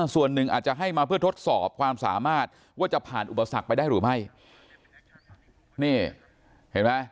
ส่วนนึงอาจจะให้มาเพื่อทดสอบคราวสามารถว่าจะผ่านอุปสรรคได้หรือไม่